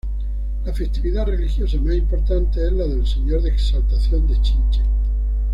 La festividad religiosa más importante es la del Señor de Exaltación de Chinche.